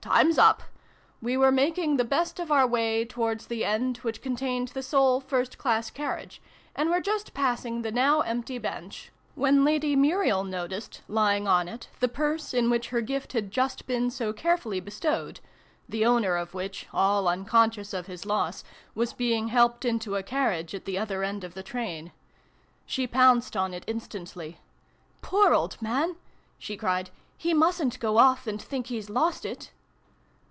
Time's up !", we were making the best of our way towards the end which contained the sole first class carriage, and were just passing the now empty bench, 24 SYLVIE AND BRUNO CONCLUDED. when Lady Muriel noticed, lying on it, the purse in which her gift had just been so carefully bestowed, the owner of which, all unconscious of his loss, was being helped into a carriage at the other end of the train. She pounced on it instantly. " Poor old man !" she cried. " He mustn't go off, and think he's lost it